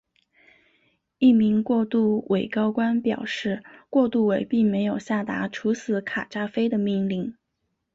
一名过渡委高官表示过渡委并没有下达处死卡扎菲的命令。